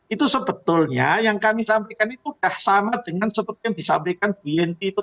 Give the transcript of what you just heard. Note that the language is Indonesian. itu sebetulnya yang kami sampaikan itu sudah sama dengan seperti yang disampaikan bu yenty itu